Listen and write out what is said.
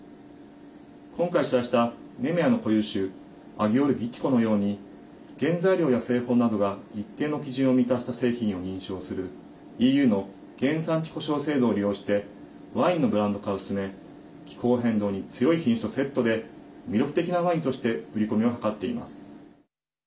今回取材した、ネメアの固有種アギオルギティコのように原材料や製法などが一定の基準を満たした製品を認証するＥＵの原産地呼称制度を利用してワインのブランド化を進め気候変動に強い品種とセットで魅力的なワインとして売り込みを図っています。